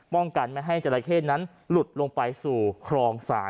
ป้องกันไม่ให้จราเข้นั้นหลุดลงไปสู่ครองศาล